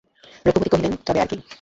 রঘুপতি কহিলেন, তবে আর কী।